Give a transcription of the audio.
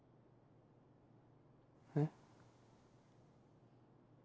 えっ？